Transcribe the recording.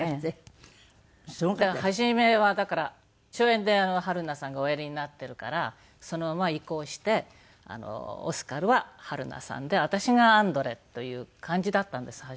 初めはだから初演で榛名さんがおやりになっているからそのまま移行してオスカルは榛名さんで私がアンドレという感じだったんです初め。